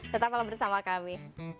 tetap kalau bersama kami